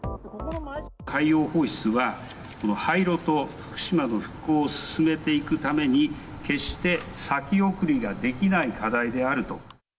海洋放出は、この廃炉と福島の復興を進めていくために、決して先送りができない課題であると。